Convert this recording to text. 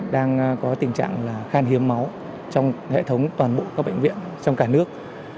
đang có tình trạng là khan hiếm máu trong hệ thống toàn bộ các bệnh viện trong cả nước